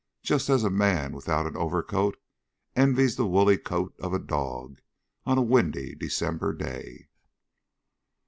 Just as a man without an overcoat envies the woolly coat of a dog on a windy December day.